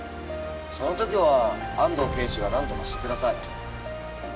そのときは安堂刑事がなんとかしてください。